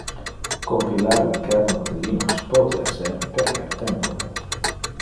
Compilar le kernel de Linux pote ser perder tempore.